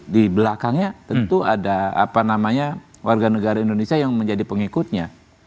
di belakangnya tentu ada apa namanya warga negara indonesia yang menjadi pengikutnya